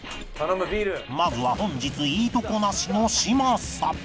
［まずは本日いいとこなしの嶋佐］